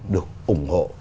được ủng hộ